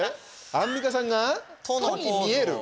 アンミカさんが「ト」に見える？